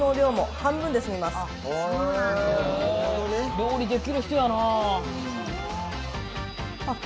料理できる人やなあ。